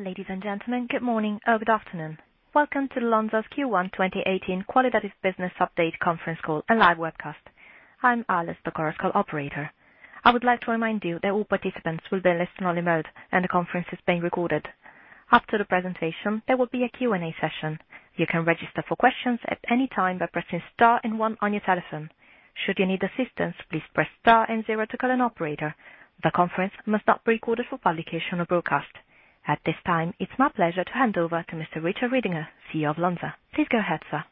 Ladies and gentlemen, good morning or good afternoon. Welcome to Lonza's Q1 2018 Qualitative Business Update conference call and live webcast. I'm Alice, the Chorus Call operator. I would like to remind you that all participants will be in listen-only mode, and the conference is being recorded. After the presentation, there will be a Q&A session. You can register for questions at any time by pressing star 1 on your telephone. Should you need assistance, please press star 0 to call an operator. The conference must not be recorded for publication or broadcast. At this time, it's my pleasure to hand over to Mr. Richard Ridinger, CEO of Lonza. Please go ahead, sir.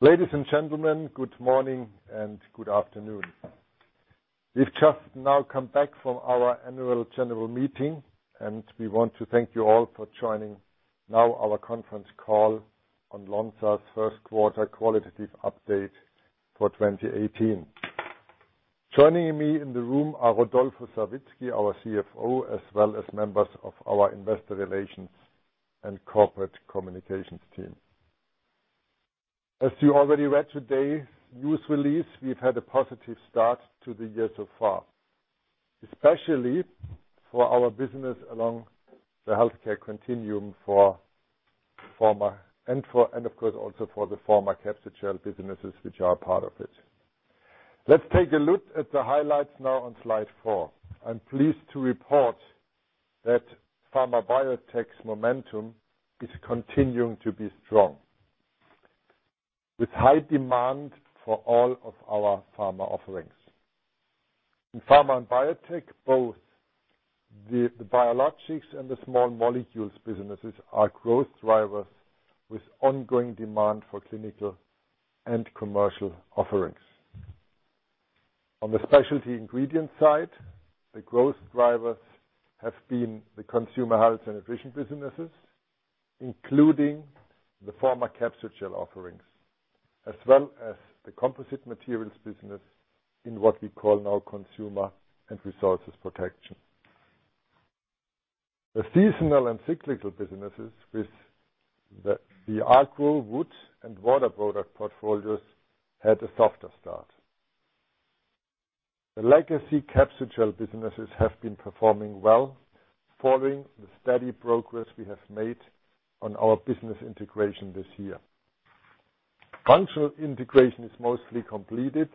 Ladies and gentlemen, good morning and good afternoon. We've just now come back from our annual general meeting. We want to thank you all for joining now our conference call on Lonza's first quarter qualitative update for 2018. Joining me in the room are Rodolfo Savitzky, our CFO, as well as members of our investor relations and corporate communications team. You already read today's news release. We've had a positive start to the year so far, especially for our business along the healthcare continuum and, of course, also for the pharma capsule shell businesses, which are a part of it. Let's take a look at the highlights now on slide four. I'm pleased to report that pharma biotech's momentum is continuing to be strong, with high demand for all of our pharma offerings. In pharma and biotech, both the biologics and the small molecules businesses are growth drivers with ongoing demand for clinical and commercial offerings. On the specialty ingredient side, the growth drivers have been the consumer health and nutrition businesses, including the pharma capsule shell offerings, as well as the composite materials business in what we call now consumer and resources protection. The seasonal and cyclical businesses with the Arch wood and water product portfolios had a softer start. The legacy capsule shell businesses have been performing well following the steady progress we have made on our business integration this year. Functional integration is mostly completed,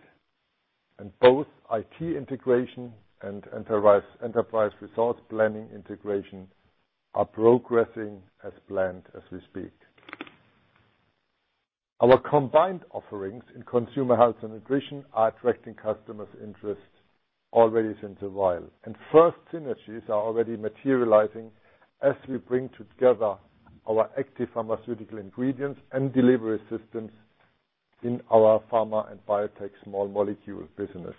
and both IT integration and enterprise resource planning integration are progressing as planned as we speak. Our combined offerings in consumer health and nutrition are attracting customers' interest already since a while. First synergies are already materializing as we bring together our active pharmaceutical ingredients and delivery systems in our pharma and biotech small molecule businesses.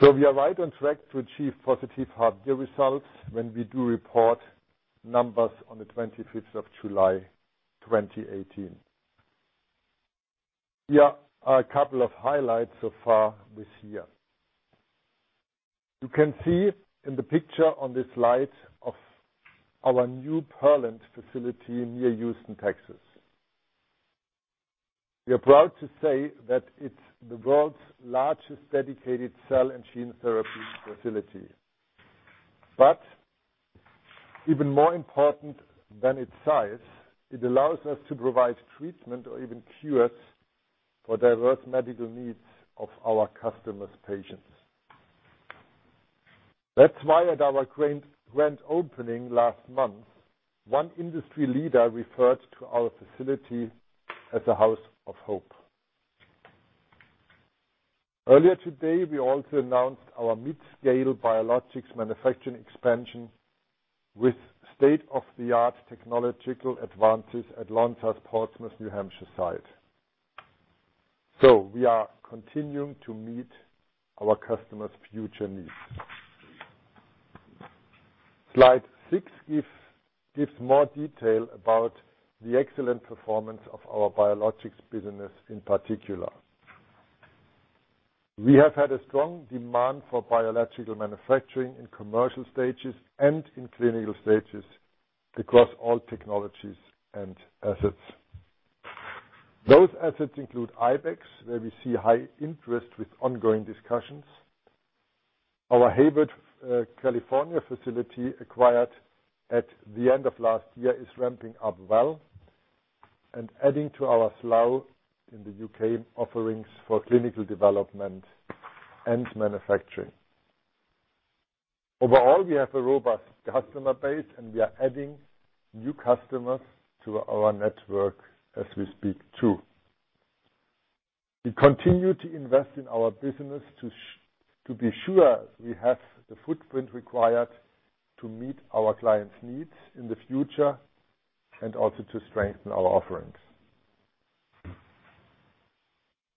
We are right on track to achieve positive half-year results when we do report numbers on the 25th of July 2018. Here are a couple of highlights so far this year. You can see in the picture on this slide of our new Pearland facility near Houston, Texas. We are proud to say that it's the world's largest dedicated cell and gene therapy facility, but even more important than its size, it allows us to provide treatment or even cures for diverse medical needs of our customers' patients. That's why at our grand opening last month, one industry leader referred to our facility as a house of hope. Earlier today, we also announced our mid-scale biologics manufacturing expansion with state-of-the-art technological advances at Lonza's Portsmouth, New Hampshire site. We are continuing to meet our customers' future needs. Slide six gives more detail about the excellent performance of our biologics business in particular. We have had a strong demand for biological manufacturing in commercial stages and in clinical stages across all technologies and assets. Those assets include Ibex, where we see high interest with ongoing discussions. Our Hayward, California facility acquired at the end of last year is ramping up well and adding to our Slough in the U.K. offerings for clinical development and manufacturing. Overall, we have a robust customer base, and we are adding new customers to our network as we speak, too. We continue to invest in our business to be sure we have the footprint required to meet our clients' needs in the future and also to strengthen our offerings.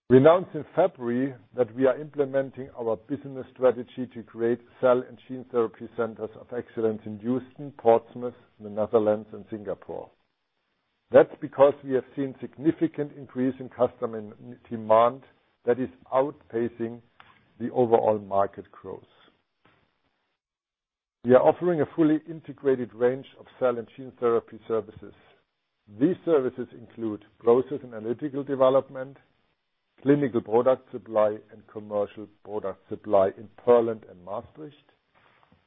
We announced in February that we are implementing our business strategy to create cell and gene therapy centers of excellence in Houston, Portsmouth, the Netherlands, and Singapore. That's because we have seen significant increase in customer demand that is outpacing the overall market growth. We are offering a fully integrated range of cell and gene therapy services. These services include process and analytical development, clinical product supply and commercial product supply in Pearland and Maastricht.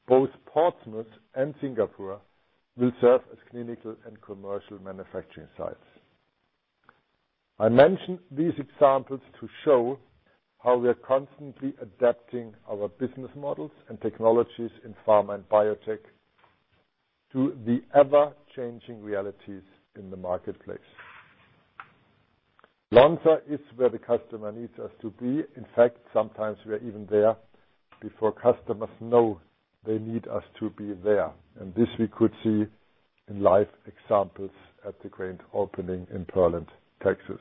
Both Portsmouth and Singapore will serve as clinical and commercial manufacturing sites. I mention these examples to show how we are constantly adapting our business models and technologies in pharma biotech to the ever-changing realities in the marketplace. Lonza is where the customer needs us to be. In fact, sometimes we are even there before customers know they need us to be there, and this we could see in live examples at the grand opening in Pearland, Texas.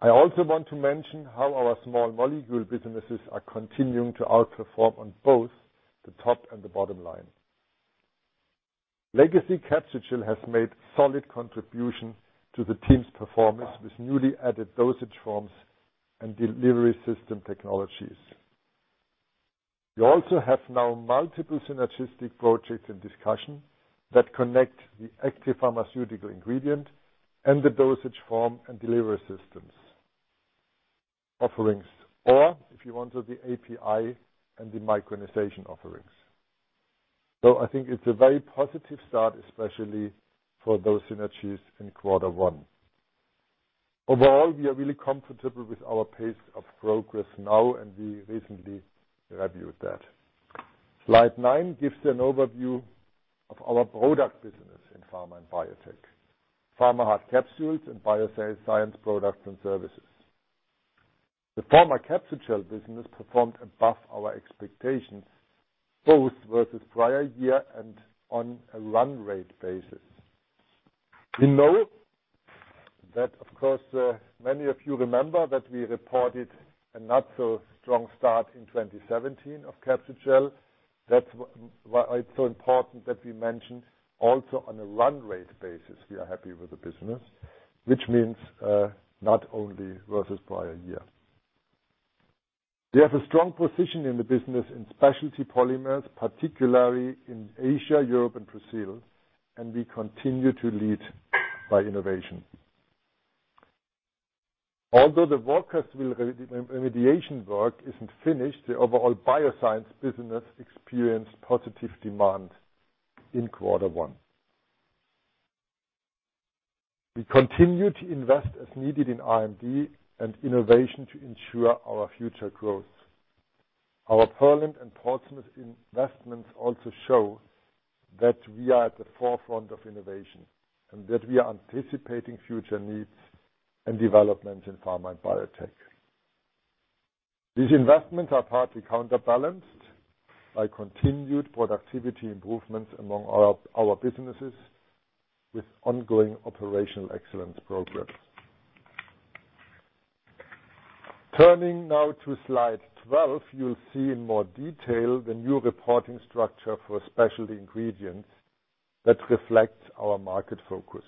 I also want to mention how our small molecule businesses are continuing to outperform on both the top and the bottom line. Legacy Capsugel has made solid contribution to the team's performance with newly added dosage forms and delivery system technologies. We also have now multiple synergistic projects in discussion that connect the active pharmaceutical ingredient and the dosage form and delivery systems offerings, or if you want, the API and the micronization offerings. I think it's a very positive start, especially for those synergies in Q1. Overall, we are really comfortable with our pace of progress now, and we recently reviewed that. Slide nine gives an overview of our product business in pharma biotech. Pharma hard capsules and bioscience products and services. The pharma Capsugel business performed above our expectations, both versus prior year and on a run rate basis. We know that, of course, many of you remember that we reported a not so strong start in 2017 of Capsugel. That's why it's so important that we mention also on a run rate basis, we are happy with the business, which means not only versus prior year. We have a strong position in the business in specialty polymers, particularly in Asia, Europe, and Brazil, and we continue to lead by innovation. Although the Walkersville's remediation work isn't finished, the overall bioscience business experienced positive demand in Q1. We continue to invest as needed in R&D and innovation to ensure our future growth. Our Pearland and Portsmouth investments also show that we are at the forefront of innovation, and that we are anticipating future needs and development in pharma biotech. These investments are partly counterbalanced by continued productivity improvements among our businesses with ongoing operational excellence programs. Turning now to Slide 12, you'll see in more detail the new reporting structure for specialty ingredients that reflects our market focus.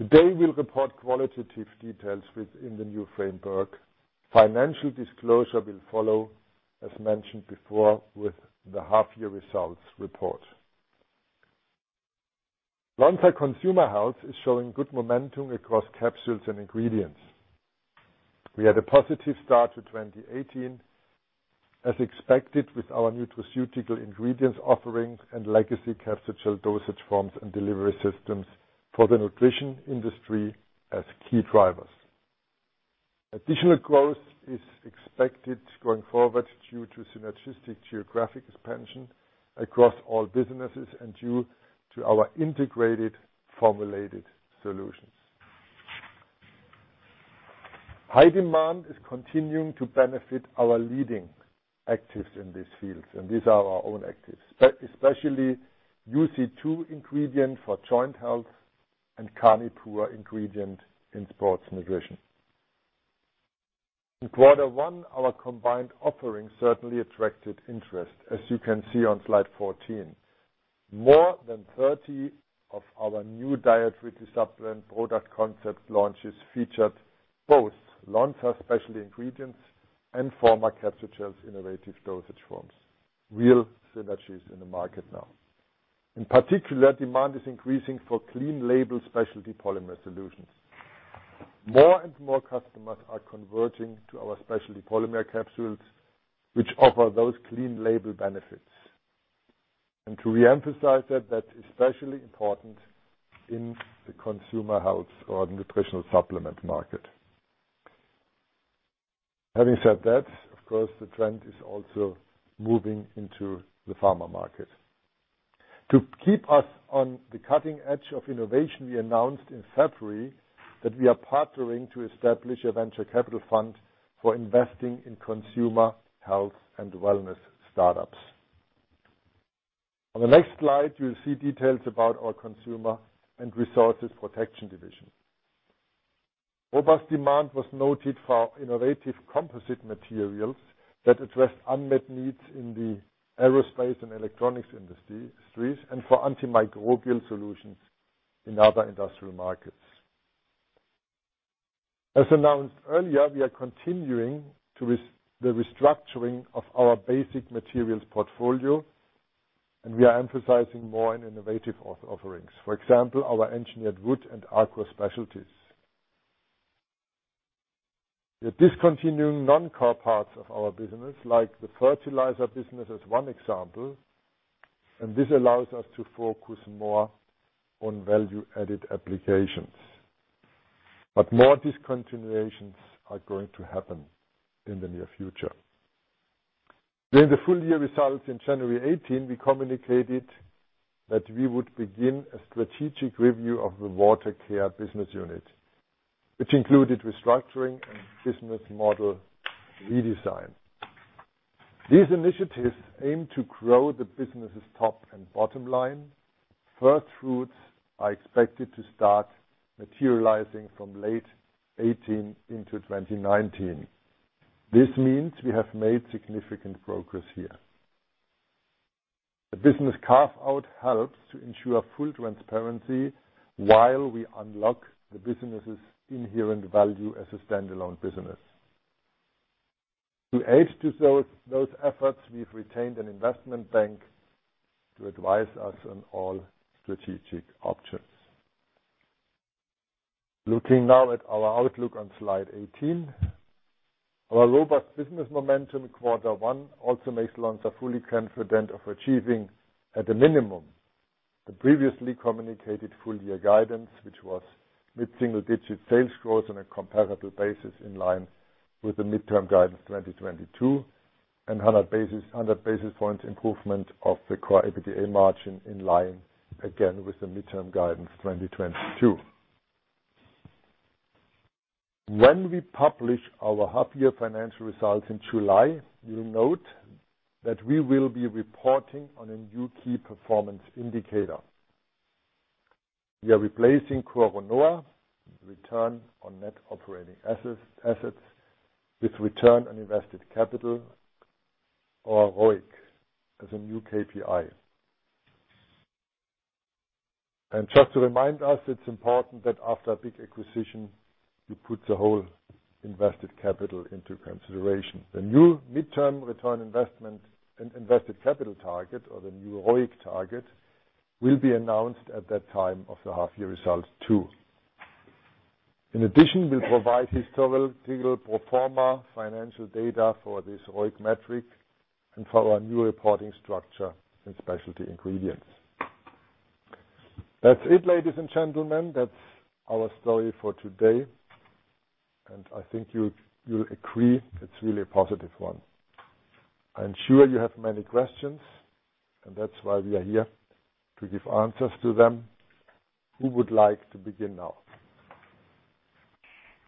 Today, we'll report qualitative details within the new framework. Financial disclosure will follow, as mentioned before, with the half year results report. Lonza Consumer Health is showing good momentum across capsules and ingredients. We had a positive start to 2018 as expected with our nutraceutical ingredients offerings and legacy Capsugel dosage forms and delivery systems for the nutrition industry as key drivers. Additional growth is expected going forward due to synergistic geographic expansion across all businesses and due to our integrated formulated solutions. High demand is continuing to benefit our leading actives in these fields, and these are our own actives, especially UC-II ingredient for joint health and Carnipure ingredient in sports nutrition. In Q1, our combined offerings certainly attracted interest, as you can see on Slide 14. More than 30 of our new dietary supplement product concept launches featured both Lonza specialty ingredients and pharma Capsugel's innovative dosage forms. Real synergies in the market now. In particular, demand is increasing for clean label specialty polymer solutions. More and more customers are converting to our specialty polymer capsules, which offer those clean label benefits. To re-emphasize that's especially important in the consumer Health or nutritional supplement market. Having said that, of course, the trend is also moving into the pharma market. To keep us on the cutting edge of innovation, we announced in February that we are partnering to establish a venture capital fund for investing in consumer Health and wellness startups. On the next slide, you'll see details about our consumer and resources protection division. Robust demand was noted for innovative composite materials that address unmet needs in the aerospace and electronics industries, and for antimicrobial solutions in other industrial markets. As announced earlier, we are continuing the restructuring of our basic materials portfolio. We are emphasizing more on innovative offerings. For example, our engineered wood and Arch specialties. We are discontinuing non-core parts of our business, like the fertilizer business as one example, this allows us to focus more on value-added applications. More discontinuations are going to happen in the near future. During the full year results in January 2018, we communicated that we would begin a strategic review of the Water Care business unit, which included restructuring and business model redesign. These initiatives aim to grow the business' top and bottom line. First fruits are expected to start materializing from late 2018 into 2019. This means we have made significant progress here. A business carve-out helps to ensure full transparency while we unlock the business' inherent value as a standalone business. To aid those efforts, we've retained an investment bank to advise us on all strategic options. Looking now at our outlook on Slide 18. Our robust business momentum in Quarter One also makes Lonza fully confident of achieving at a minimum, the previously communicated full year guidance, which was mid-single-digit sales growth on a comparable basis in line with the midterm guidance 2022 and 100 basis point improvement of the CORE EBITDA margin in line, again, with the midterm guidance 2022. When we publish our half year financial results in July, you'll note that we will be reporting on a new key performance indicator. We are replacing CORE RONOA, return on net operating assets, with return on invested capital, or ROIC, as a new KPI. Just to remind us, it's important that after a big acquisition, you put the whole invested capital into consideration. The new midterm return investment and invested capital target or the new ROIC target, will be announced at that time of the half year results, too. In addition, we'll provide historical pro forma financial data for this ROIC metric and for our new reporting structure in specialty ingredients. That's it, ladies and gentlemen. That's our story for today, and I think you'll agree it's really a positive one. I am sure you have many questions, and that's why we are here, to give answers to them. Who would like to begin now?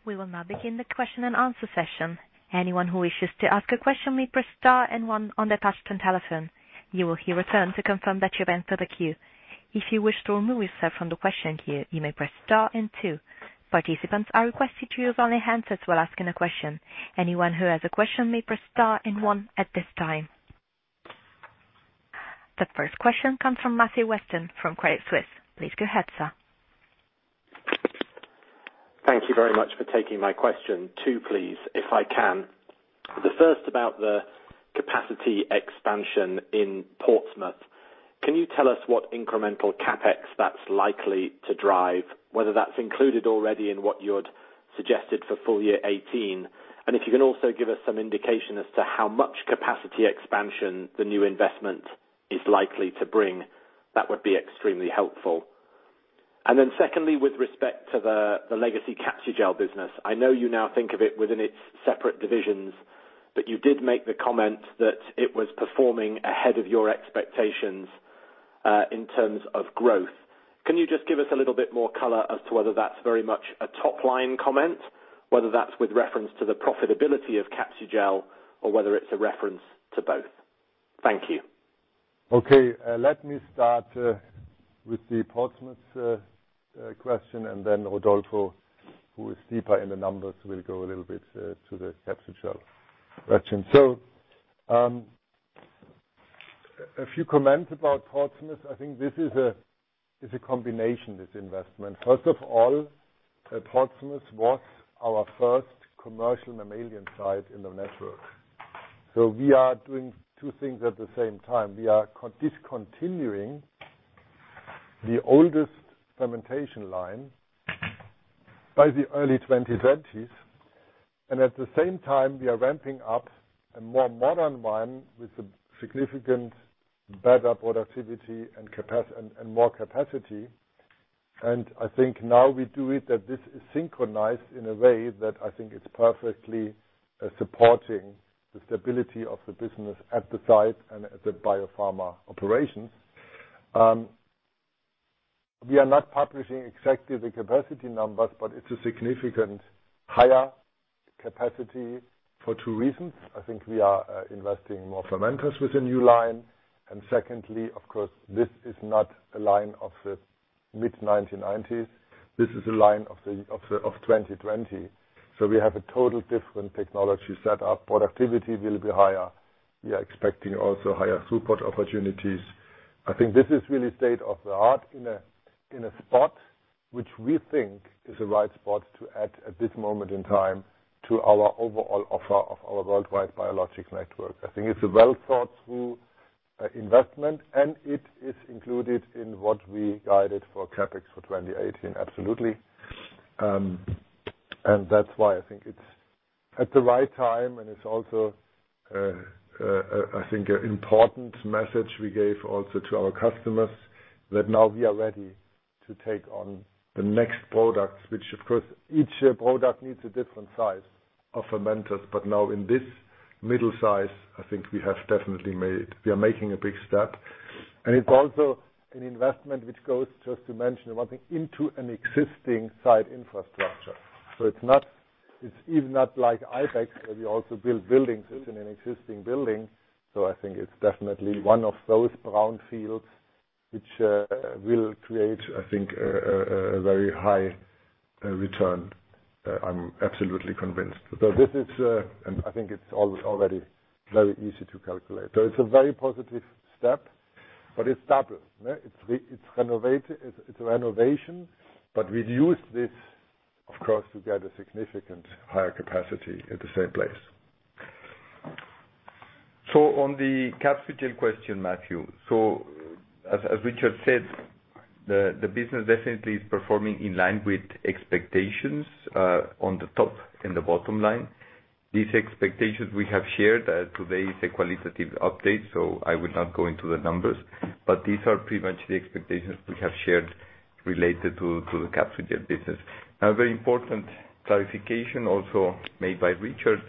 We will now begin the question and answer session. Anyone who wishes to ask a question may press star and one on their touch-tone telephone. You will hear a tone to confirm that you've entered the queue. If you wish to remove yourself from the question queue, you may press star and two. Participants are requested to use only answers while asking a question. Anyone who has a question may press star and one at this time. The first question comes from Matthew Weston from Credit Suisse. Please go ahead, sir. Thank you very much for taking my question. Two, please, if I can. The first about the capacity expansion in Portsmouth. Can you tell us what incremental CapEx that's likely to drive? Whether that's included already in what you had suggested for full year 2018? If you can also give us some indication as to how much capacity expansion the new investment is likely to bring, that would be extremely helpful. Then secondly, with respect to the legacy Capsugel business, I know you now think of it within its separate divisions, but you did make the comment that it was performing ahead of your expectations, in terms of growth. Can you just give us a little bit more color as to whether that's very much a top-line comment, whether that's with reference to the profitability of Capsugel or whether it's a reference to both? Thank you. Let me start with the Portsmouth question, then Rodolfo, who is deeper in the numbers, will go a little bit to the Capsugel question. A few comments about Portsmouth. I think this is a combination, this investment. Portsmouth was our first commercial mammalian site in the network. We are doing two things at the same time. We are discontinuing the oldest fermentation line by the early 2020s, and at the same time, we are ramping up a more modern one with a significant better productivity and more capacity. I think now we do it that this is synchronized in a way that I think it's perfectly supporting the stability of the business at the site and at the biopharma operations. We are not publishing exactly the capacity numbers, but it's a significant higher capacity for two reasons. I think we are investing more fermenters with the new line. Secondly, of course, this is not a line of the mid-1990s. This is a line of 2020. We have a total different technology set up. Productivity will be higher. We are expecting also higher throughput opportunities. I think this is really state of the art in a spot which we think is the right spot to add at this moment in time to our overall offer of our worldwide biologic network. I think it's a well-thought-through investment, it is included in what we guided for CapEx for 2018. Absolutely. That's why I think it's at the right time, it's also, I think, an important message we gave also to our customers, that now we are ready to take on the next products. Which, of course, each product needs a different size of fermenters. Now in this middle size, I think we are making a big step. It's also an investment which goes, just to mention one thing, into an existing site infrastructure. It's even not like Ibex, where we also build buildings. It's in an existing building. I think it's definitely one of those brown fields which will create, I think, a very high return. I'm absolutely convinced. I think it's already very easy to calculate. It's a very positive step, it's double. It's renovation, we use this, of course, to get a significant higher capacity at the same place. On the Capsugel question, Matthew. As Richard said, the business definitely is performing in line with expectations on the top and the bottom line. These expectations we have shared, today is a qualitative update, I will not go into the numbers. These are pretty much the expectations we have shared related to the Capsugel business. A very important clarification also made by Richard.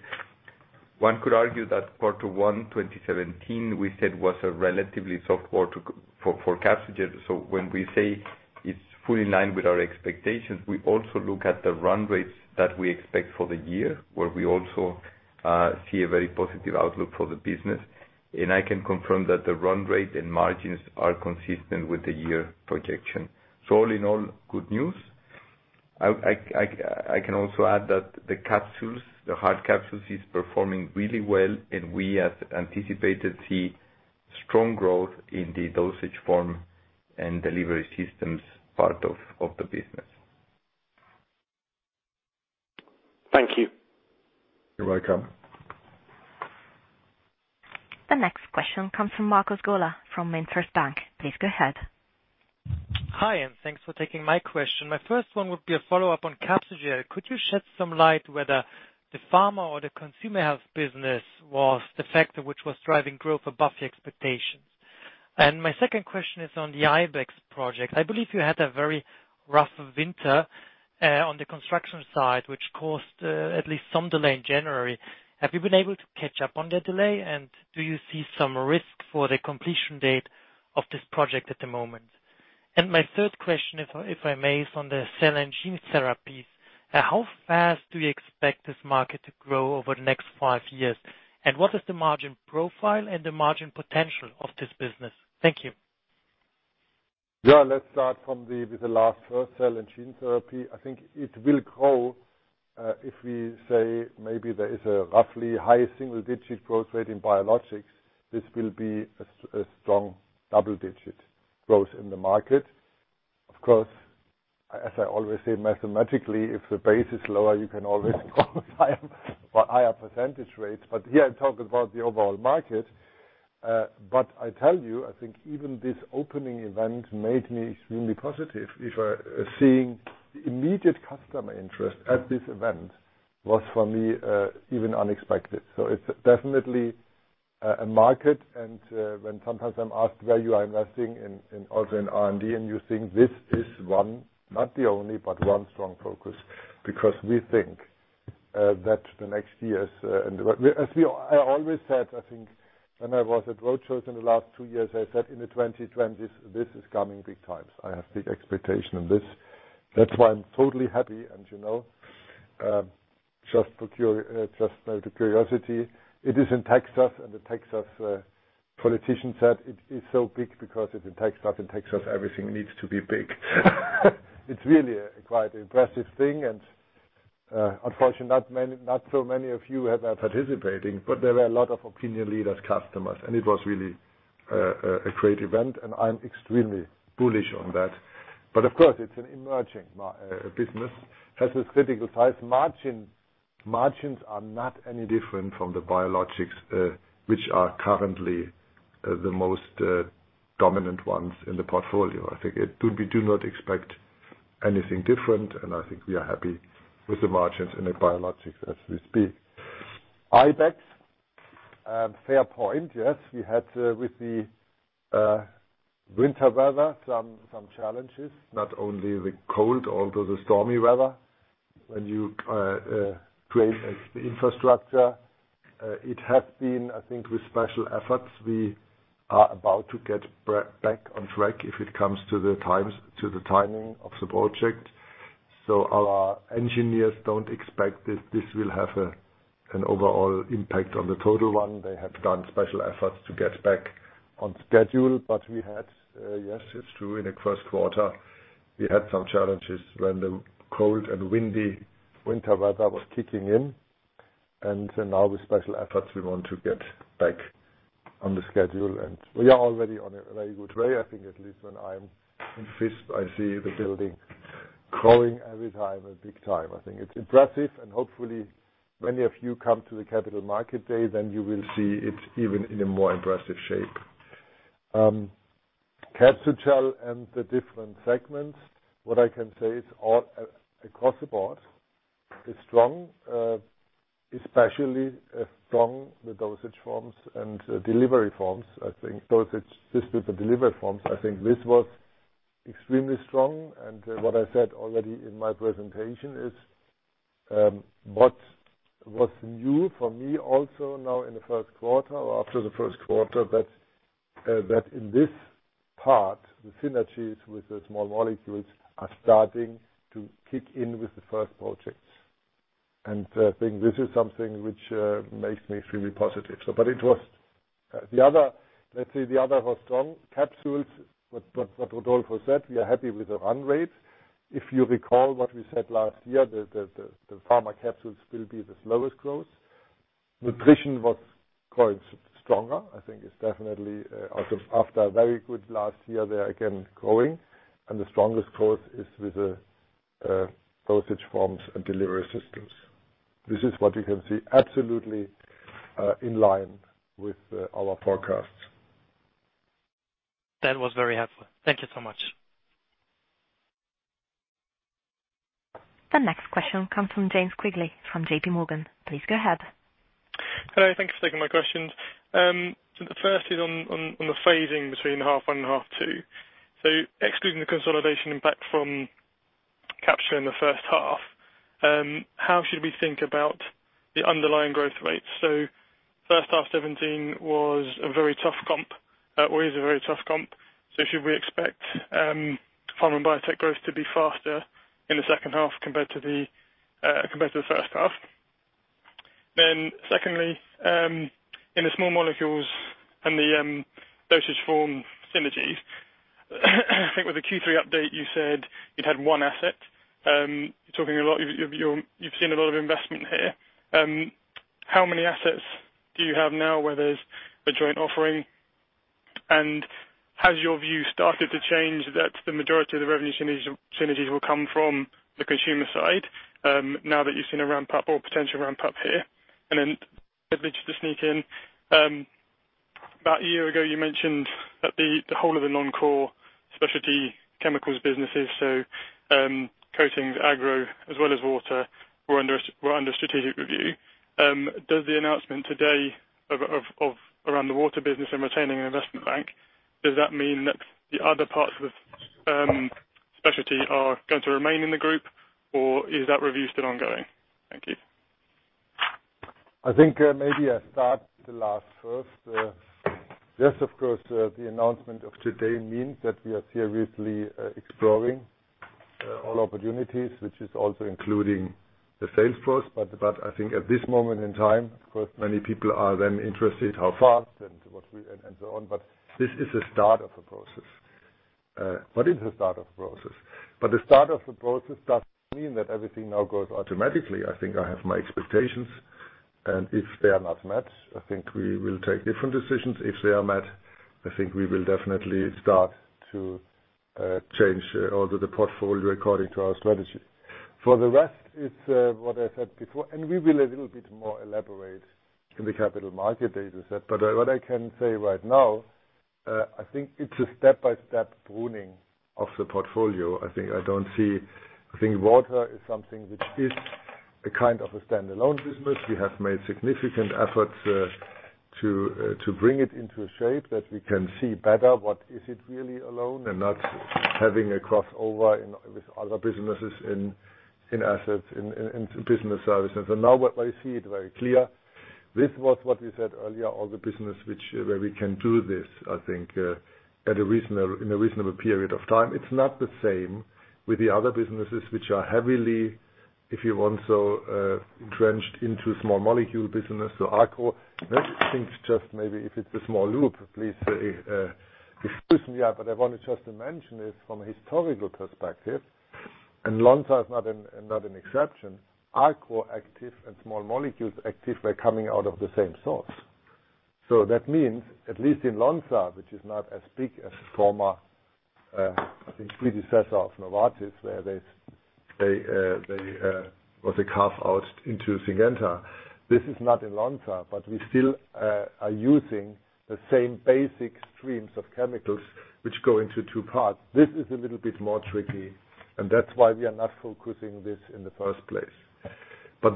One could argue that Q1 2017, we said, was a relatively soft quarter for Capsugel. When we say it's fully in line with our expectations, we also look at the run rates that we expect for the year, where we also see a very positive outlook for the business. I can confirm that the run rate and margins are consistent with the year projection. All in all, good news. I can also add that the capsules, the hard capsules, is performing really well, and we have anticipated see strong growth in the dosage form and delivery systems part of the business. Thank you. You're welcome. The next question comes from Marcos Gola from MainFirst Bank. Please go ahead. Hi, thanks for taking my question. My first one would be a follow-up on Capsugel. Could you shed some light whether the pharma or the consumer health business was the factor which was driving growth above the expectations? My second question is on the Ibex project. I believe you had a very rough winter on the construction side, which caused at least some delay in January. Have you been able to catch up on the delay, and do you see some risk for the completion date of this project at the moment? My third question, if I may, is on the cell and gene therapies. How fast do you expect this market to grow over the next five years? What is the margin profile and the margin potential of this business? Thank you. Let's start with the last first, cell and gene therapy. I think it will grow, if we say maybe there is a roughly high single-digit growth rate in biologics, this will be a strong double-digit growth in the market. Of course, as I always say, mathematically, if the base is lower, you can always grow higher percentage rates. Here I'm talking about the overall market. I tell you, I think even this opening event made me extremely positive. Seeing immediate customer interest at this event was, for me, even unexpected. It's definitely a market, and when sometimes I'm asked where you are investing in, also in R&D, and you think this is one, not the only, but one strong focus. We think that the next years. As I always said, I think when I was at roadshow in the last two years, I said in the 2020s, this is coming big times. I have big expectation on this. That's why I'm totally happy and just out of curiosity, it is in Texas, the Texas politician said it is so big because it's in Texas. In Texas, everything needs to be big. It's really quite impressive thing, unfortunately, not so many of you have been participating, but there were a lot of opinion leader customers, it was really a great event, I'm extremely bullish on that. Of course, it's an emerging business, has a critical size. Margins are not any different from the biologics, which are currently the most dominant ones in the portfolio. I think we do not expect anything different, I think we are happy with the margins in the biologics as we speak. Ibex, fair point. Yes, we had with the winter weather, some challenges. Not only the cold, although the stormy weather. When you create infrastructure, it has been, I think, with special efforts, we are about to get back on track if it comes to the timing of the project. Our engineers don't expect this will have an overall impact on the total one. They have done special efforts to get back on schedule, we had, yes, it's true, in the first quarter. We had some challenges when the cold and windy winter weather was kicking in. Now with special efforts, we want to get back on the schedule, we are already on a very good way. I think at least when I'm in Visp, I see the building growing every time and big time. I think it's impressive, hopefully many of you come to the Capital Markets Day, then you will see it even in a more impressive shape. Capsugel and the different segments, what I can say, it's all across the board, it's strong, especially strong, the dosage forms and delivery systems. I think this was extremely strong. What I said already in my presentation is, what was new for me also now in the first quarter or after the first quarter, that in this part, the synergies with the small molecules are starting to kick in with the first projects. I think this is something which makes me extremely positive. Let's say the other was strong capsules, what Rodolfo said, we are happy with the run rate. If you recall what we said last year, the pharma capsules will be the slowest growth. Nutrition was growing stronger, I think it's definitely after a very good last year, they are again growing, and the strongest growth is with the dosage forms and delivery systems. This is what you can see absolutely in line with our forecasts. That was very helpful. Thank you so much. The next question comes from James Quigley from JPMorgan. Please go ahead. Hello. Thank you for taking my questions. The first is on the phasing between half 1 and half 2. Excluding the consolidation impact from Capsugel in the first half, how should we think about the underlying growth rates? First half 2017 was a very tough comp, or is a very tough comp. Should we expect pharma biotech growth to be faster in the second half compared to the first half? Secondly, in the small molecules and the dosage form synergies, I think with the Q3 update, you said you'd had one asset. You've seen a lot of investment here. How many assets do you have now where there's a joint offering? Has your view started to change that the majority of the revenue synergies will come from the consumer side, now that you've seen a ramp up or potential ramp up here? Just to sneak in, about a year ago, you mentioned that the whole of the non-core specialty chemicals businesses, so, coatings, agro, as well as water, were under strategic review. Does the announcement today around the water business and retaining an investment bank, does that mean that the other parts of specialty are going to remain in the group, or is that review still ongoing? Thank you. I think maybe I start the last first. Yes, of course, the announcement of today means that we are seriously exploring all opportunities, which is also including the sales force. I think at this moment in time, of course, many people are then interested how fast and so on, but this is a start of a process. It's a start of a process. The start of a process doesn't mean that everything now goes automatically. I think I have my expectations, if they are not met, I think we will take different decisions. If they are met, I think we will definitely start to change all the portfolio according to our strategy. For the rest, it's what I said before, we will a little bit more elaborate in the Capital Markets Day. What I can say right now, I think it's a step-by-step pruning of the portfolio. I think water is something which is a kind of a standalone business. We have made significant efforts to bring it into a shape that we can see better what is it really alone and not having a crossover with other businesses in assets, in business services. Now what I see it very clear, this was what we said earlier, all the business where we can do this, I think, in a reasonable period of time. It's not the same with the other businesses, which are heavily, if you want, so, drenched into small molecules business. Arch, I think just maybe if it's a small loop, please excuse me. I wanted just to mention this from a historical perspective, Lonza is not an exception. Arch active and small molecules active were coming out of the same source. That means, at least in Lonza, which is not as big as former, I think predecessor of Novartis, where there was a carve out into Syngenta. This is not in Lonza, but we still are using the same basic streams of chemicals which go into two parts. This is a little bit more tricky, and that's why we are not focusing this in the first place.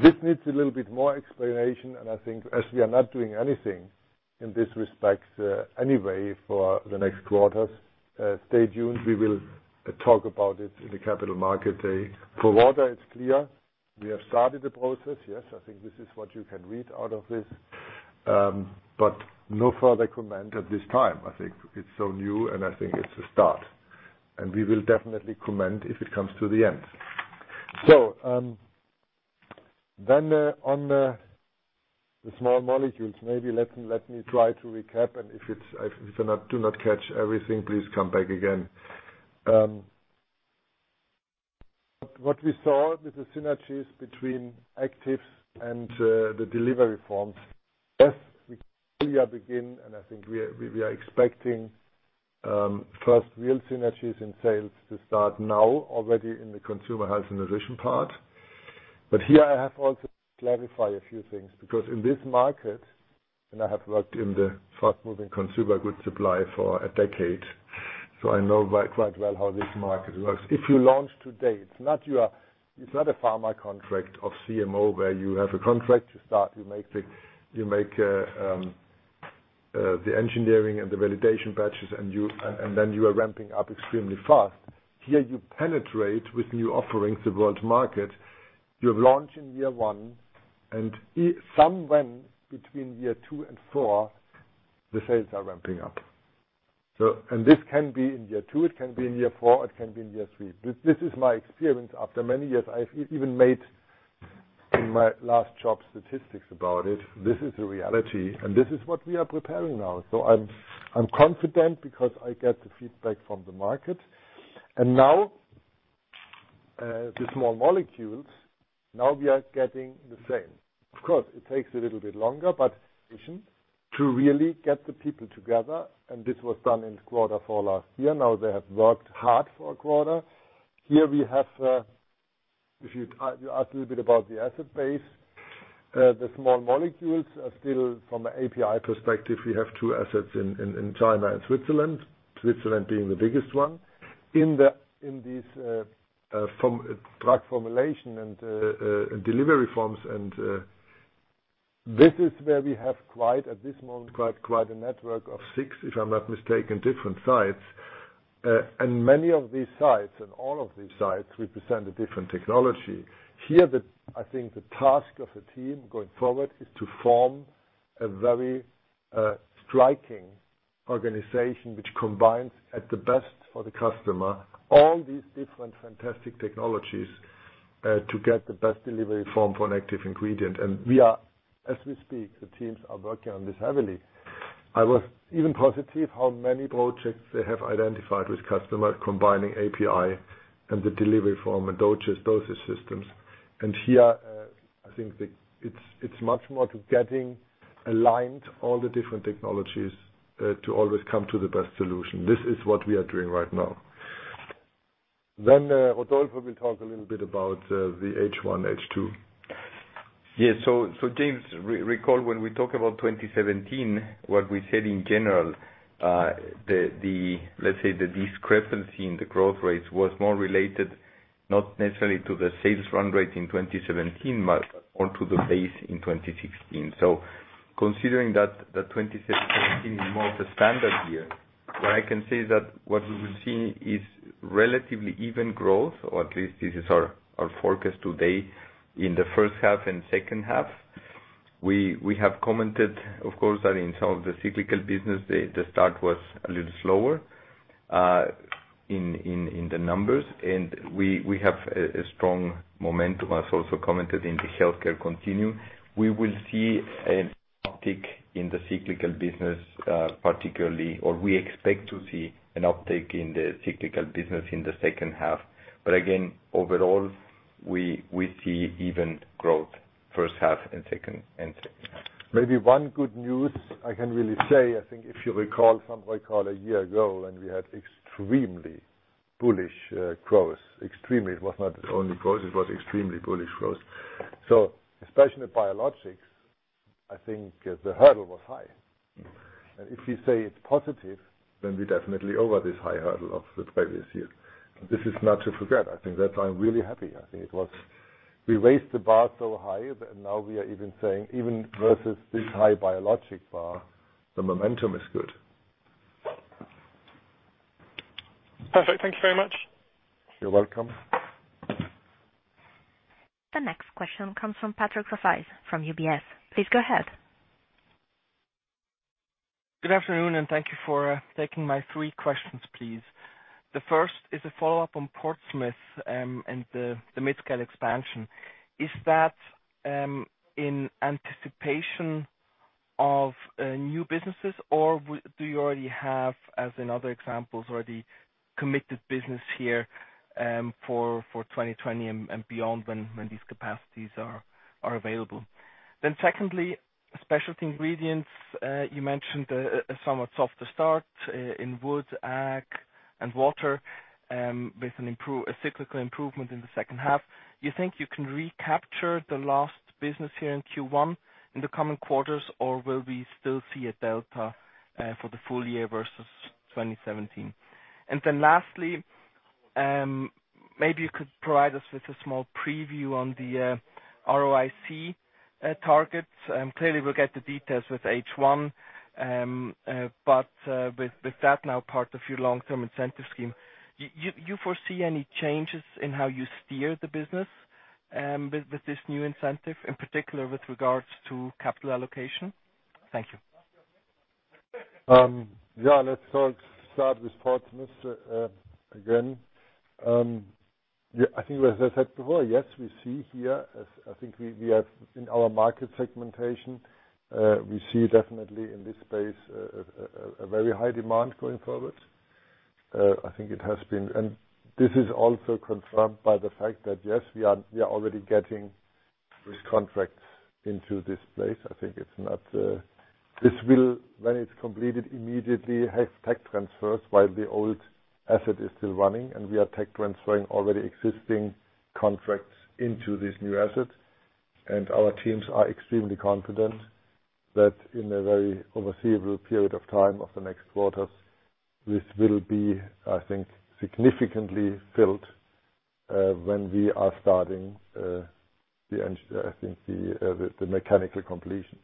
This needs a little bit more explanation, and I think as we are not doing anything in this respect anyway for the next quarters, stay tuned. We will talk about it in the Capital Markets Day. For water, it's clear. We have started the process. I think this is what you can read out of this, no further comment at this time. I think it's so new, and I think it's a start. We will definitely comment if it comes to the end. On the small molecules, maybe let me try to recap, and if I do not catch everything, please come back again. What we saw with the synergies between actives and the delivery forms, we begin and I think we are expecting first real synergies in sales to start now, already in the Lonza Consumer Health & Nutrition part. Here I have to also clarify a few things, because in this market, and I have worked in the fast-moving consumer goods supply for a decade, I know quite well how this market works. If you launch today, it's not a pharma contract of CMO where you have a contract, you start, you make the engineering and the validation batches, and then you are ramping up extremely fast. Here you penetrate with new offerings, the world market. You have launch in year one and somewhere between year two and four, the sales are ramping up. This can be in year two, it can be in year four, it can be in year three. This is my experience after many years. I've even made, in my last job, statistics about it. This is the reality, and this is what we are preparing now. I'm confident because I get the feedback from the market. Now, the small molecules, now we are getting the same. Of course, it takes a little bit longer. To really get the people together, and this was done in quarter four last year. Now they have worked hard for a quarter. Here we have, if you ask a little bit about the asset base, the small molecules are still from an API perspective, we have two assets in China and Switzerland. Switzerland being the biggest one. In this drug formulation and delivery forms and this is where we have, at this moment, quite a network of six, if I'm not mistaken, different sites. Many of these sites and all of these sites represent a different technology. Here, I think the task of the team going forward is to form a very striking organization which combines at the best for the customer, all these different, fantastic technologies, to get the best delivery form for an active ingredient. We are, as we speak, the teams are working on this heavily. I was even positive how many projects they have identified with customers combining API and the delivery form and dosage systems. Here, I think it's much more to getting aligned all the different technologies, to always come to the best solution. This is what we are doing right now. Rodolfo will talk a little bit about the H1, H2. Yes. James, recall when we talk about 2017, what we said in general, let's say the discrepancy in the growth rates was more related, not necessarily to the sales run rate in 2017, but onto the base in 2016. Considering that the 2017 is more of a standard year, what I can say is that what we will see is relatively even growth, or at least this is our forecast today in the first half and second half. We have commented, of course, that in some of the cyclical business, the start was a little slower, in the numbers. We have a strong momentum as also commented in the healthcare continuum. We will see an uptick in the cyclical business, particularly, or we expect to see an uptick in the cyclical business in the second half. Again, overall, we see even growth first half and second half. Maybe one good news I can really say, I think if you recall, some might recall a year ago when we had extremely bullish growth. Extremely. It was not only growth, it was extremely bullish growth. Especially in the biologics, I think the hurdle was high. If you say it's positive, then we're definitely over this high hurdle of the previous year. This is not to forget. I think that I'm really happy. I think it was, we raised the bar so high that now we are even saying, even versus this high biologic bar, the momentum is good. Perfect. Thank you very much. You're welcome. The next question comes from Patrick Rafaisz from UBS. Please go ahead. Good afternoon. Thank you for taking my three questions, please. The first is a follow-up on Portsmouth, and the mid-scale expansion. Is that in anticipation of new businesses, or do you already have, as in other examples, already committed business here, for 2020 and beyond when these capacities are available? Secondly, specialty ingredients. You mentioned a somewhat softer start in wood, ag, and water, with a cyclical improvement in the second half. You think you can recapture the lost business here in Q1 in the coming quarters, or will we still see a delta for the full year versus 2017? Lastly, maybe you could provide us with a small preview on the ROIC targets. Clearly we'll get the details with H1. With that now part of your long-term incentive scheme, you foresee any changes in how you steer the business, with this new incentive, in particular with regards to capital allocation? Thank you. Yeah. Let's start with Portsmouth again. I think as I said before, yes, we see here as, I think we have in our market segmentation, we see definitely in this space a very high demand going forward. I think it has been. This is also confirmed by the fact that, yes, we are already getting these contracts into this place. This will, when it's completed, immediately have tech transfers while the old asset is still running. We are tech transferring already existing contracts into this new asset. Our teams are extremely confident that in a very foreseeable period of time, of the next quarters, this will be significantly filled, when we are starting the mechanical completion,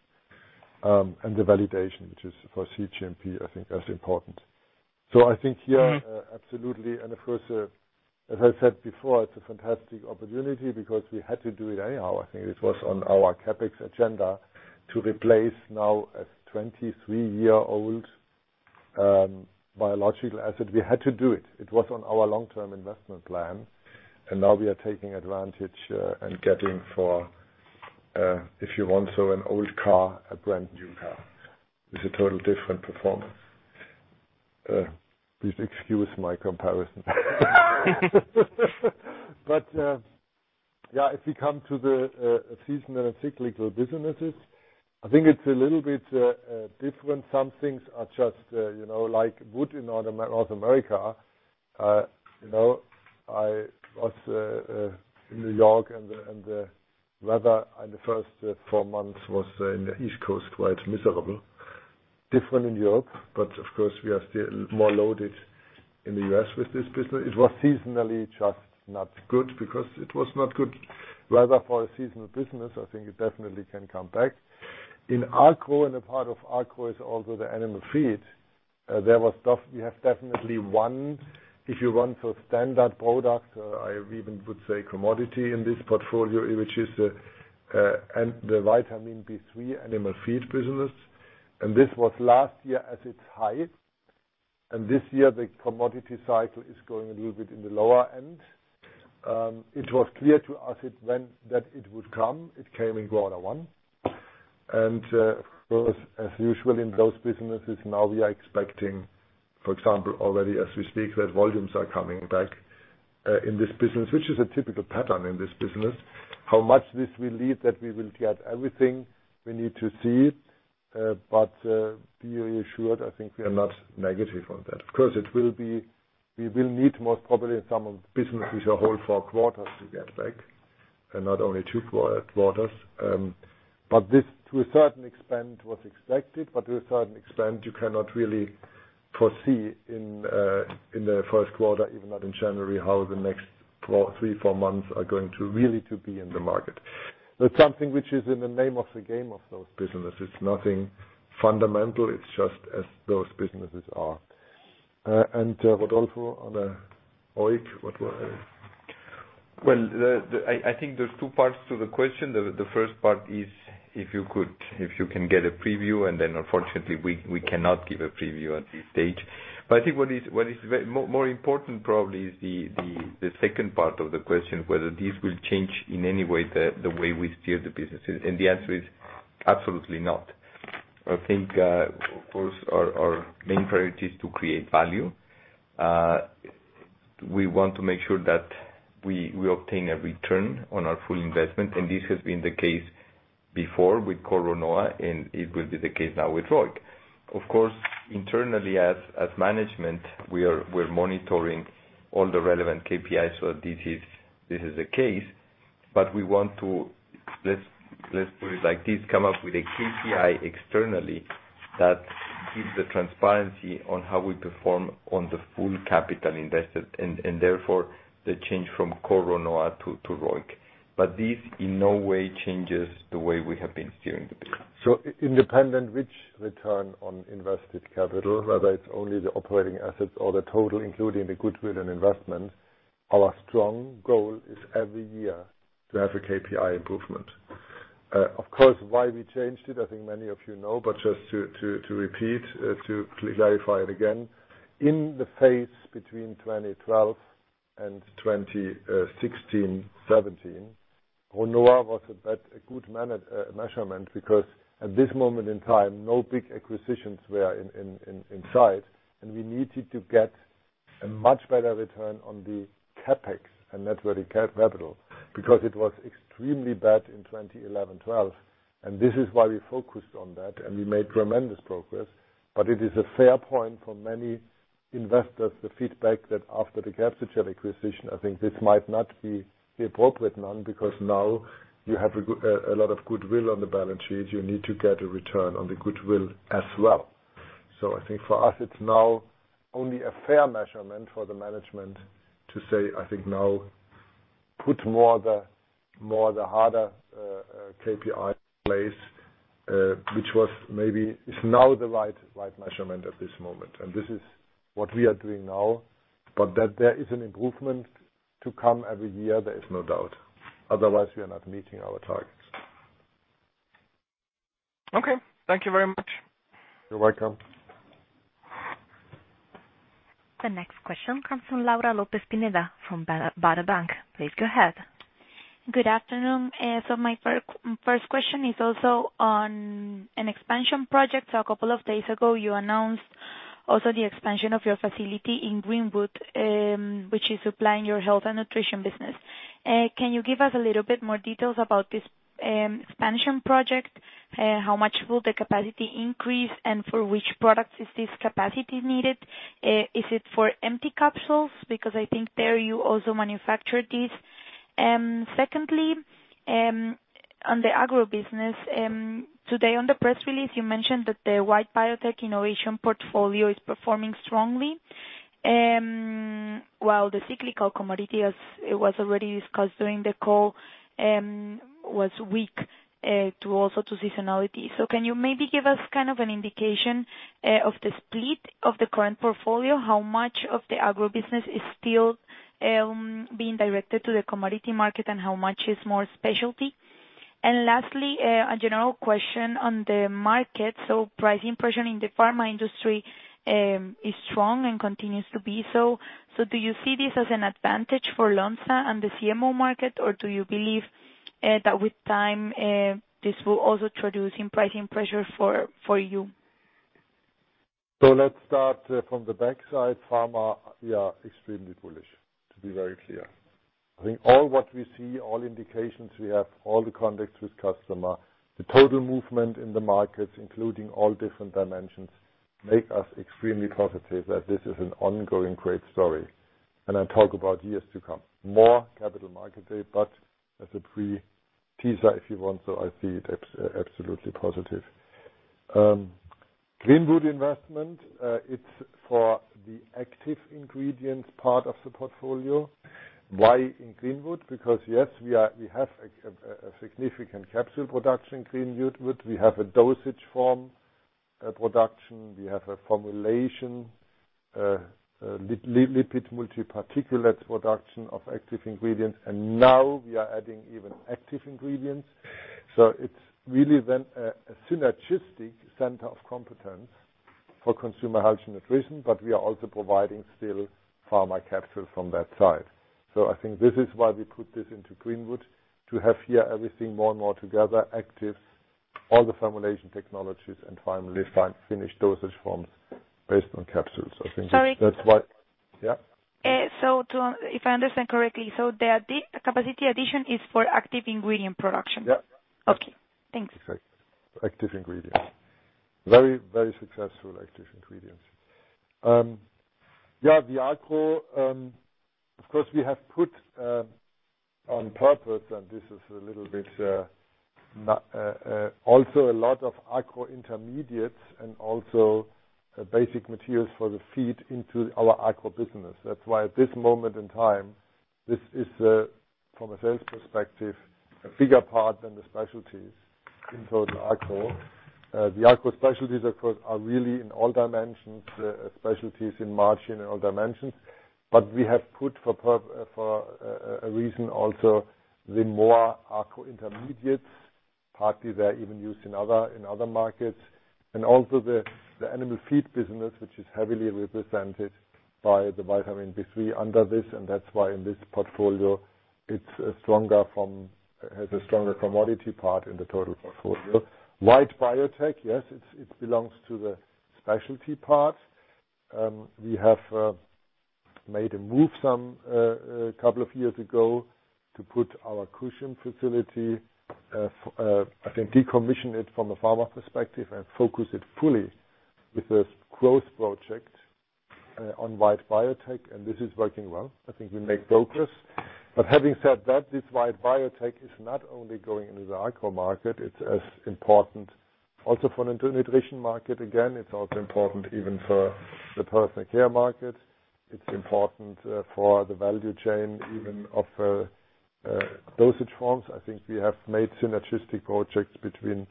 and the validation, which is for cGMP, I think that's important. I think here, absolutely. Of course, as I said before, it's a fantastic opportunity because we had to do it anyhow. I think it was on our CapEx agenda to replace now a 23-year-old biological asset. We had to do it. It was on our long-term investment plan. Now we are taking advantage and getting, if you want, so an old car, a brand-new car. It's a total different performance. Please excuse my comparison. Yeah. If we come to the seasonal and cyclical businesses, I think it's a little bit different. Some things are just like wood in North America. I was in New York. The weather in the first four months was, in the East Coast, quite miserable. Different in Europe. Of course, we are still more loaded in the U.S. with this business. It was seasonally just not good because it was not good weather for a seasonal business. I think it definitely can come back. In Arch, and a part of Arch is also the animal feed, we have definitely one, if you want, so standard product, I even would say commodity in this portfolio, which is the vitamin B3 animal feed business. This was last year at its height, and this year the commodity cycle is going a little bit in the lower end. It was clear to us that it would come. It came in quarter one. Of course, as usual in those businesses, now we are expecting, for example, already as we speak, that volumes are coming back in this business, which is a typical pattern in this business. How much this will lead that we will get everything we need to see. Be assured, I think we are not negative on that. Of course, we will need most probably in some of the businesses a whole four quarters to get back, and not only two quarters. This to a certain extent was expected, but to a certain extent, you cannot really foresee in the first quarter, even not in January, how the next three, four months are going to really to be in the market. That's something which is in the name of the game of those businesses. Nothing fundamental. It's just as those businesses are. Rodolfo on ROIC, what were- Well, I think there's two parts to the question. The first part is if you can get a preview, unfortunately, we cannot give a preview at this stage. I think what is more important probably is the second part of the question, whether this will change in any way the way we steer the businesses. The answer is absolutely not. I think, of course, our main priority is to create value. We want to make sure that we obtain a return on our full investment, and this has been the case before with CORE RONOA, and it will be the case now with ROIC. Of course, internally as management, we're monitoring all the relevant KPIs so that this is the case. We want to, let's put it like this, come up with a KPI externally that gives the transparency on how we perform on the full capital invested, and therefore the change from CORE RONOA to ROIC. This in no way changes the way we have been steering the business. Independent which return on invested capital, whether it's only the operating assets or the total, including the goodwill and investment, our strong goal is every year to have a KPI improvement. Of course, why we changed it, I think many of you know, but just to repeat, to clarify it again. In the phase between 2012 and 2016, 2017, RONOA was a good measurement because at this moment in time, no big acquisitions were in sight, and we needed to get a much better return on the CapEx and net working capital, because it was extremely bad in 2011-2012. This is why we focused on that, and we made tremendous progress. It is a fair point for many investors, the feedback that after the Capsugel acquisition, I think this might not be the appropriate one because now you have a lot of goodwill on the balance sheet. You need to get a return on the goodwill as well. I think for us, it's now only a fair measurement for the management to say, I think now put more the harder KPI in place, which is now the right measurement at this moment. This is what we are doing now, but that there is an improvement to come every year, there is no doubt. Otherwise, we are not meeting our targets. Okay. Thank you very much. You're welcome. The next question comes from Laura Lopez Pineda from Baader Bank. Please go ahead. Good afternoon. My first question is also on an expansion project. A couple of days ago, you announced also the expansion of your facility in Greenwood, which is supplying your health and nutrition business. Can you give us a little bit more details about this expansion project? How much will the capacity increase, and for which products is this capacity needed? Is it for empty capsules? Because I think there you also manufacture these. Secondly, on the agro business, today on the press release, you mentioned that the white biotech innovation portfolio is performing strongly, while the cyclical commodity, as it was already discussed during the call, was weak due also to seasonality. Can you maybe give us kind of an indication of the split of the current portfolio? How much of the agro business is still being directed to the commodity market, and how much is more specialty? Lastly, a general question on the market. Pricing pressure in the pharma industry is strong and continues to be so. Do you see this as an advantage for Lonza and the CMO market, or do you believe that with time, this will also introduce pricing pressure for you? Let's start from the backside. Pharma, we are extremely bullish, to be very clear. I think all what we see, all indications we have, all the contacts with customer, the total movement in the markets, including all different dimensions, make us extremely positive that this is an ongoing great story. I talk about years to come. More Capital Markets Day, as a teaser, if you want, I see it absolutely positive. Greenwood investment, it's for the active ingredient part of the portfolio. Why in Greenwood? Because, yes, we have a significant capsule production in Greenwood. We have a dosage form production, we have a formulation, lipid multi-particulate production of active ingredients, and now we are adding even active ingredients. It's really then a synergistic center of competence for consumer health and nutrition, but we are also providing still pharma capsules from that side. I think this is why we put this into Greenwood, to have here everything more and more together, active, all the formulation technologies, and finally find finished dosage forms based on capsules. I think that's why. Sorry. Yeah? if I understand correctly, the capacity addition is for active ingredient production? Yeah. Okay. Thanks. Exactly. Active ingredients. Very successful active ingredients. The agro, of course, we have put on purpose, and this is a little bit, also a lot of agro intermediates and also basic materials for the feed into our agro business. That's why at this moment in time, this is, from a sales perspective, a bigger part than the specialties in total agro. The agro specialties, of course, are really in all dimensions, specialties in margin and all dimensions. We have put for a reason also the more agro intermediates, partly they're even used in other markets. Also the animal feed business, which is heavily represented by the vitamin B3 under this, and that's why in this portfolio, it has a stronger commodity part in the total portfolio. White biotech, yes, it belongs to the specialty part. We have made a move a couple of years ago to put our Kouřim facility, I think decommission it from a pharma perspective and focus it fully with a growth project on white biotech, and this is working well. I think we make progress. Having said that, this white biotech is not only going into the agro market, it's as important also for the nutrition market. Again, it's also important even for the personal care market. It's important for the value chain, even of dosage forms. I think we have made synergistic projects between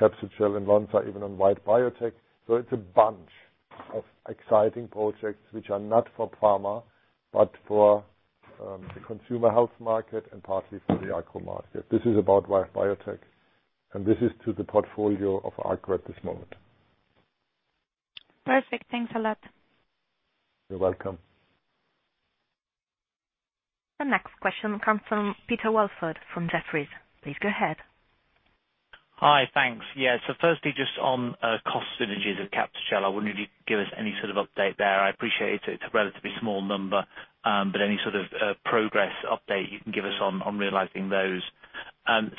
Capsugel and Lonza, even on white biotech. It's a bunch of exciting projects which are not for pharma, but for the consumer health market and partly for the agro market. This is about white biotech, and this is to the portfolio of agro at this moment. Perfect. Thanks a lot. You're welcome. The next question comes from Peter Welford from Jefferies. Please go ahead. Hi, thanks. Firstly, just on cost synergies at Capsugel, I wonder if you could give us any sort of update there. I appreciate it's a relatively small number, but any sort of progress update you can give us on realizing those.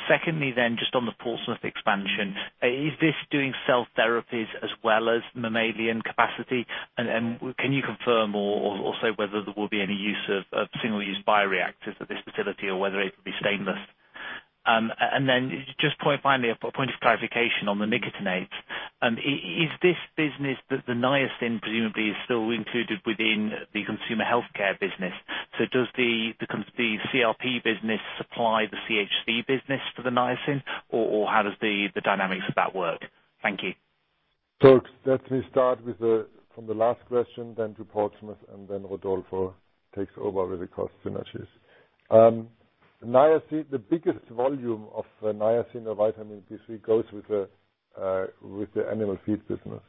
Secondly then, just on the Portsmouth expansion, is this doing cell therapies as well as mammalian capacity? And can you confirm also whether there will be any use of single-use bioreactors at this facility or whether it will be stainless? Then just finally, a point of clarification on the nicotinates. Is this business that the niacin presumably is still included within the consumer healthcare business? Does the CRP business supply the CHC business for the niacin, or how does the dynamics of that work? Thank you. Let me start from the last question, then to Portsmouth, and then Rodolfo takes over with the cost synergies. The biggest volume of niacin or vitamin B3 goes with the animal feed business.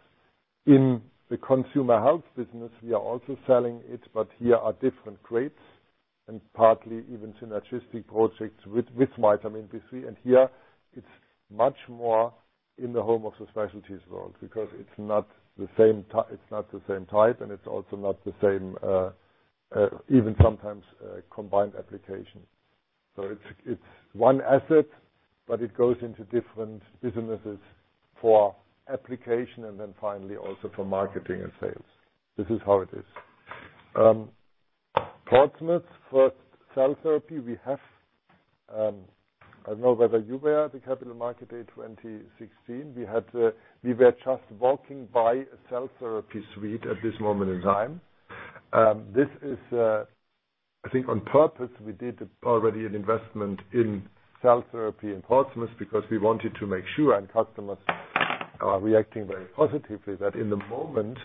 In the consumer health business, we are also selling it, but here are different grades and partly even synergistic projects with vitamin B3, and here it's much more in the home of the specialties world, because it's not the same type, and it's also not the same, even sometimes, combined application. It's one asset, but it goes into different businesses for application and then finally also for marketing and sales. This is how it is. Portsmouth for cell therapy, I don't know whether you were at the Capital Markets Day 2016. We were just walking by a cell therapy suite at this moment in time. This is, I think, on purpose. We did already an investment in cell therapy in Portsmouth because we wanted to make sure, and customers are reacting very positively, that in the moment,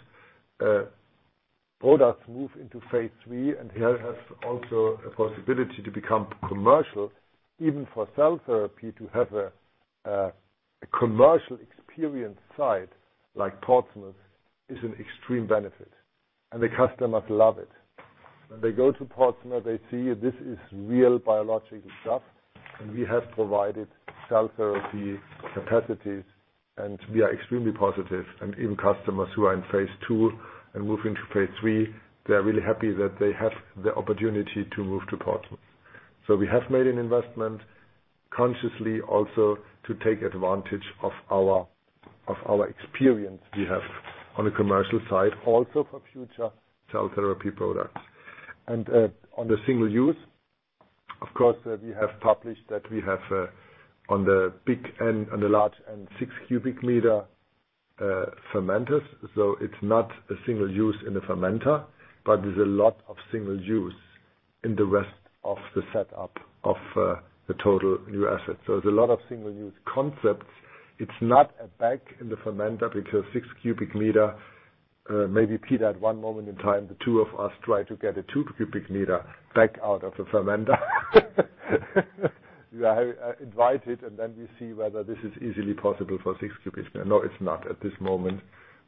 products move into phase III and here has also a possibility to become commercial, even for cell therapy to have a commercial experience site like Portsmouth is an extreme benefit. The customers love it. When they go to Portsmouth, they see this is real biological stuff, and we have provided cell therapy capacities, and we are extremely positive. Even customers who are in phase II and moving to phase III, they're really happy that they have the opportunity to move to Portsmouth. We have made an investment consciously also to take advantage of our experience we have on the commercial side, also for future cell therapy products. On the single use, of course, we have published that we have on the large end 15 cubic meter fermenters. It's not a single use in the fermenter, but there's a lot of single use in the rest of the setup of the total new asset. There's a lot of single use concepts. It's not a bag in the fermenter because six cubic meter, maybe, Peter, at one moment in time, the two of us tried to get a 2 m³ bag out of the fermenter. We are invited, and then we see whether this is easily possible for six cubic meter. No, it's not at this moment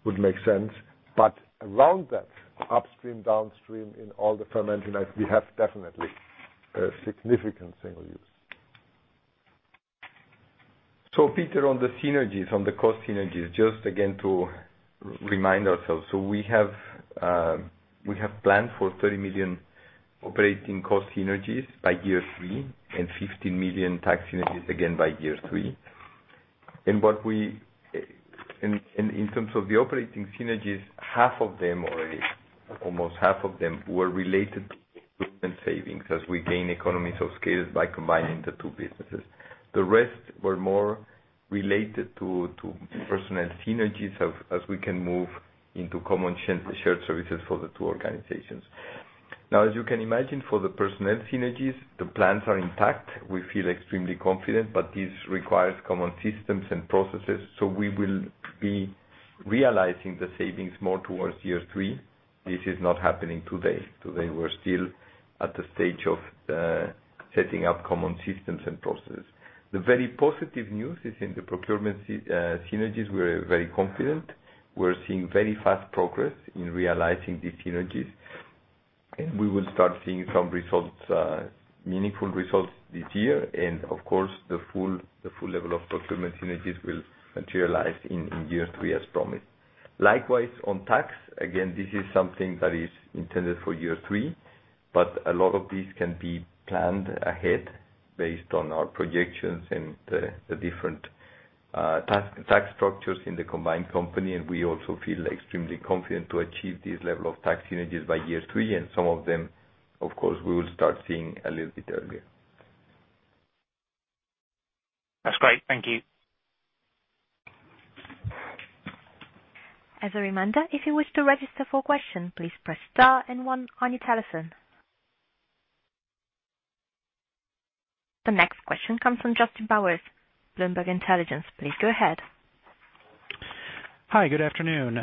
would make sense. Around that, upstream, downstream, in all the fermenting, we have definitely a significant single use. Peter, on the synergies, on the cost synergies, just again to remind ourselves. We have planned for 30 million operating cost synergies by year three and 15 million tax synergies again by year three. In terms of the operating synergies, half of them already, almost half of them were related to savings as we gain economies of scale by combining the two businesses. The rest were more related to personnel synergies as we can move into common shared services for the two organizations. As you can imagine, for the personnel synergies, the plans are intact. We feel extremely confident, but this requires common systems and processes. We will be realizing the savings more towards year three. This is not happening today. Today, we're still at the stage of setting up common systems and processes. The very positive news is in the procurement synergies, we're very confident. We're seeing very fast progress in realizing these synergies. We will start seeing some results, meaningful results this year. Of course, the full level of procurement synergies will materialize in year three as promised. Likewise, on tax, again, this is something that is intended for year three, a lot of this can be planned ahead based on our projections and the different tax structures in the combined company, we also feel extremely confident to achieve this level of tax synergies by year three. Some of them, of course, we will start seeing a little bit earlier. That's great. Thank you. As a reminder, if you wish to register for question, please press star and one on your telephone. The next question comes from Justin Smith, Bloomberg Intelligence. Please go ahead. Hi, good afternoon.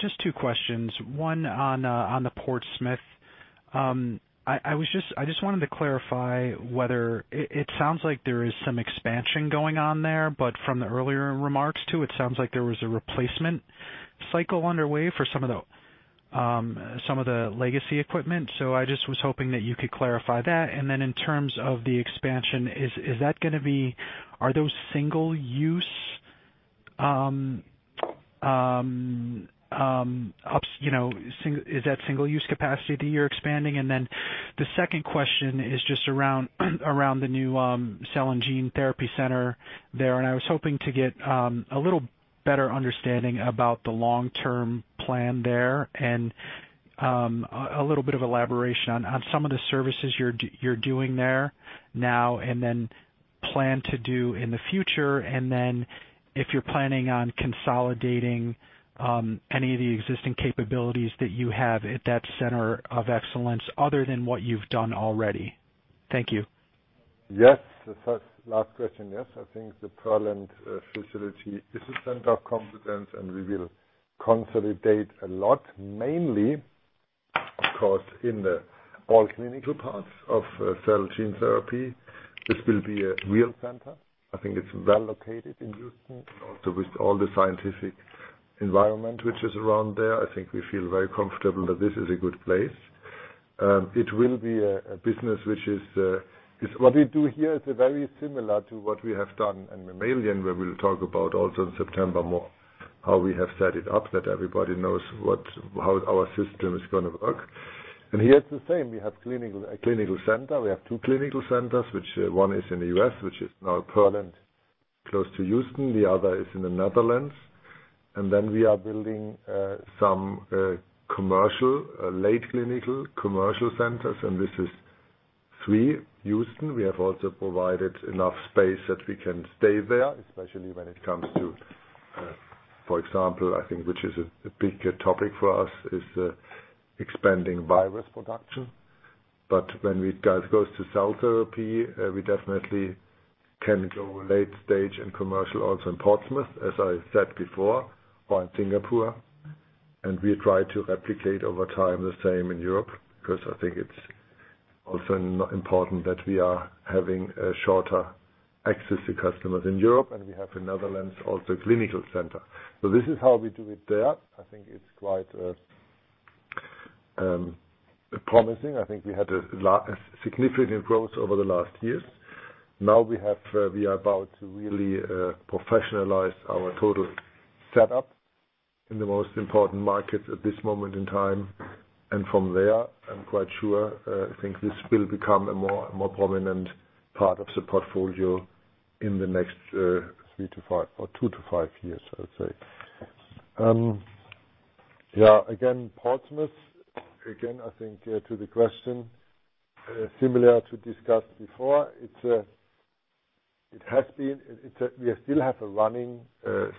Just two questions. One on the Portsmouth. I just wanted to clarify whether It sounds like there is some expansion going on there, from the earlier remarks, too, it sounds like there was a replacement cycle underway for some of the legacy equipment. I just was hoping that you could clarify that. Then in terms of the expansion, are those single-use capacity that you're expanding? Then the second question is just around the new cell and gene therapy center there. I was hoping to get a little better understanding about the long-term plan there and a little bit of elaboration on some of the services you're doing there now and then plan to do in the future. If you're planning on consolidating any of the existing capabilities that you have at that center of excellence other than what you've done already. Thank you. Yes. The last question. Yes. I think the Pearland facility is a center of competence, we will consolidate a lot, mainly Of course, in all clinical parts of cell and gene therapy, this will be a real center. I think it's well located in Houston, also with all the scientific environment which is around there. I think we feel very comfortable that this is a good place. It will be a business which is-- What we do here is very similar to what we have done in mammalian, where we'll talk about also in September more how we have set it up, that everybody knows how our system is going to work. Here it's the same. We have a clinical center. We have two clinical centers, which one is in the U.S., which is now permanent, close to Houston, the other is in the Netherlands. We are building some commercial, late clinical commercial centers, this is three. Houston, we have also provided enough space that we can stay there, especially when it comes to, for example, I think, which is a big topic for us, is expanding virus production. When it goes to cell therapy, we definitely can go late stage and commercial also in Portsmouth, as I said before, or in Singapore. We try to replicate over time the same in Europe, because I think it's also important that we are having a shorter access to customers in Europe, we have in Netherlands also a clinical center. This is how we do it there. I think it's quite promising. I think we had a significant growth over the last years. Now we are about to really professionalize our total setup in the most important markets at this moment in time. From there, I'm quite sure, I think this will become a more prominent part of the portfolio in the next three to five or two to five years, I would say. Again, Portsmouth, again, I think to the question, similar to discussed before, we still have a running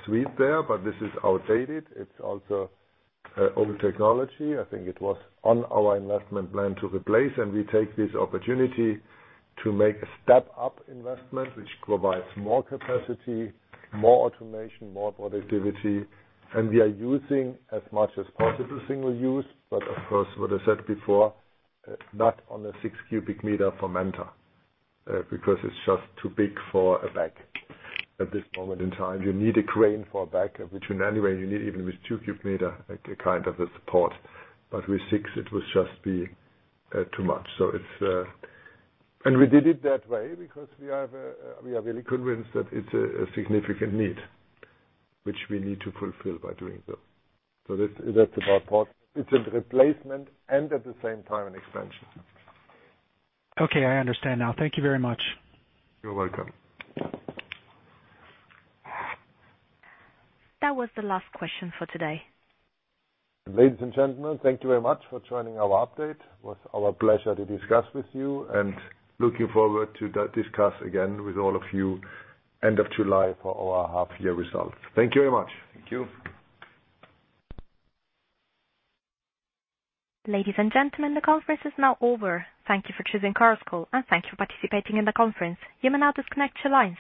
suite there, but this is outdated. It's also old technology. I think it was on our investment plan to replace, we take this opportunity to make a step-up investment, which provides more capacity, more automation, more productivity. We are using as much as possible single use, but of course, what I said before, not on a six cubic meter fermenter, because it's just too big for a bag. At this moment in time, you need a crane for a bag, which in any way you need, even with 2 cubic meter, a kind of a support. With 6, it will just be too much. We did it that way because we are really convinced that it's a significant need, which we need to fulfill by doing so. That's about Portsmouth. It's a replacement and at the same time an expansion. Okay, I understand now. Thank you very much. You're welcome. That was the last question for today. Ladies and gentlemen, thank you very much for joining our update. It was our pleasure to discuss with you, and looking forward to discuss again with all of you end of July for our half-year results. Thank you very much. Thank you. Ladies and gentlemen, the conference is now over. Thank you for choosing Chorus Call, and thank you for participating in the conference. You may now disconnect your lines.